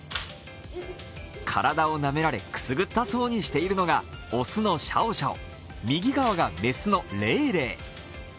体をなめられくすぐったそうにしているのが雌のシャオシャオ、右側が雌のレイレイ。